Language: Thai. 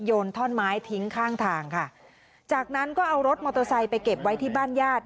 นท่อนไม้ทิ้งข้างทางค่ะจากนั้นก็เอารถมอเตอร์ไซค์ไปเก็บไว้ที่บ้านญาติ